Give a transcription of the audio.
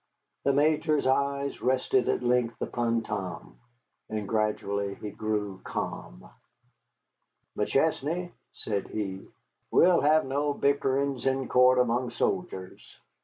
The Major's eye rested at length upon Tom, and gradually he grew calm. "McChesney," said he, "we'll have no bickerings in court among soldiers.